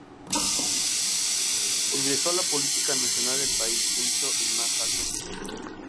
Ingresó a la política nacional del país se hizo al más alto nivel.